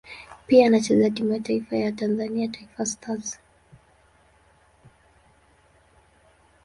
Pia anachezea timu ya taifa ya Tanzania Taifa Stars.